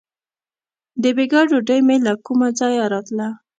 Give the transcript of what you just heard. • د بېګا ډوډۍ مې له کومه ځایه راتله.